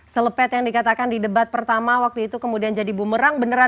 selepet yang dikatakan di debat pertama waktu itu kemudian jadi bumerang benar benar jauh